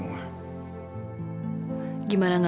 kamu bisa lebih baik kan dan stress kamu hilang semua